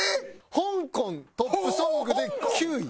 香港トップソングで９位。